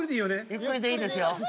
ゆっくりでいいですよ。